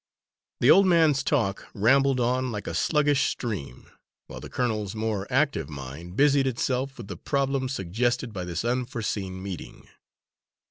The old man's talk rambled on, like a sluggish stream, while the colonel's more active mind busied itself with the problem suggested by this unforeseen meeting.